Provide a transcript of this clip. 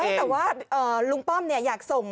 แต่ว่าลุงป้อมอยากส่ง